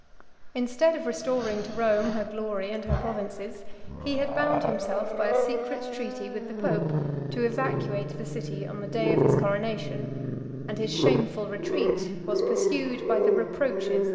Instead of restoring to Rome her glory and her provinces, he had bound himself by a secret treaty with the pope, to evacuate the city on the day of his coronation; and his shameful retreat was pursued by the reproaches of the patriot bard.